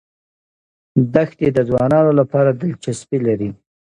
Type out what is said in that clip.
دښتې د ځوانانو لپاره دلچسپي لري.